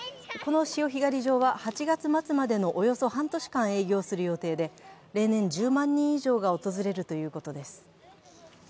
この潮干狩り場は８月末までのおよそ半年間営業する予定で例年１０万人以上が訪れるということです。